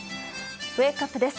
ウェークアップです。